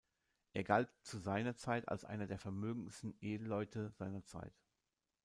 Er galt zu seiner Zeit als einer der vermögendsten Edelleute seiner Zeit.